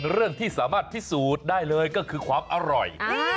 เรื่องที่สามารถพิสูจน์ได้เลยก็คือความอร่อย